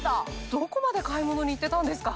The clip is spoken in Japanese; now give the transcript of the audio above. どこまで買い物に行ってたんですか？